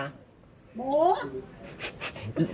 โบ๊ะ